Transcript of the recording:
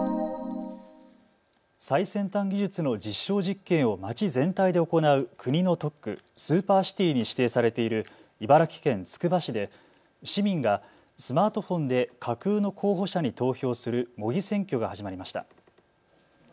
最先端技術の実証実験を街全体で行う国の特区、スーパーシティに指定されている茨城県つくば市で市民がスマートフォンで架空の候補者に投票する模擬選挙が始まりました。